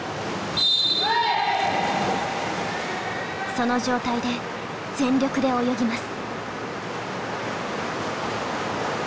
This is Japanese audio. その状態で全力で泳ぎます。